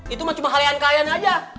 itu mah cuma halian kalian aja